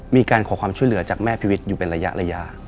มีการขอความช่วยเหลือจากแม่พิวิทย์อยู่เป็นระยะ